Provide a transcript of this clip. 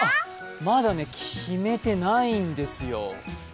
まだね、決めてないんですよ。